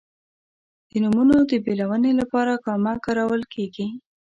د نومونو د بېلونې لپاره کامه کارول کیږي.